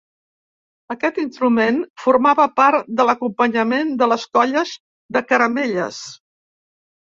Aquest instrument formava part de l'acompanyament de les colles de caramelles.